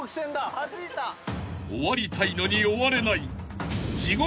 ［終わりたいのに終われない］